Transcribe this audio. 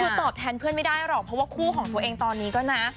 คือตอบแทนเพื่อนไม่ได้หรอกเพราะว่าคู่ของตัวเองตอนนี้ก็นะ